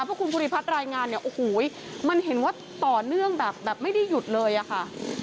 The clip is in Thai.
เพราะคุณภูริพัฒน์รายงานมันเห็นว่าต่อเนื่องแบบไม่ได้หยุดเลยค่ะ